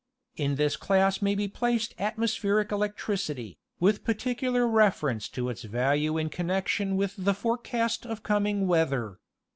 In this class may be placed atmospheric electricity, with particular reference to its value in connection with the forecast of coming weather.